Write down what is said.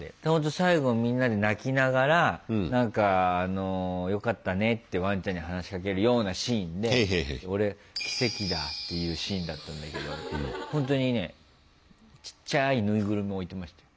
最後みんなで泣きながら何かよかったねってワンちゃんに話しかけるようなシーンで俺「奇跡だぁ」って言うシーンだったけどほんとにねちっちゃい縫いぐるみ置いてましたよ。